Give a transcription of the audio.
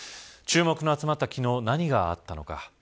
注目の集まった昨日何があったのか。